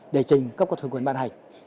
để trình các cơ thường quyền ban hành